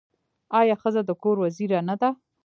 آیا ښځه د کور وزیره نه ده؟